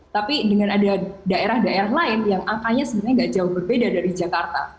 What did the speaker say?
tapi dengan ada daerah daerah lain yang angkanya sebenarnya tidak jauh berbeda dari jakarta